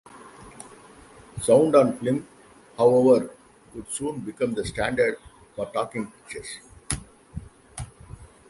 Sound-on-film, however, would soon become the standard for talking pictures.